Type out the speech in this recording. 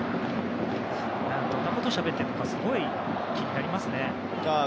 どんなことをしゃべっているのかすごい気になりますね。